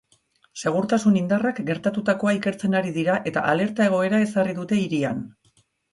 Segurtasun indarrak gertatutakoa ikertzen ari dira eta alerta egoera ezarri dute hirian.